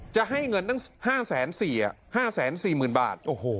จะให้เงินตั้ง๕๔๐๐๐บาท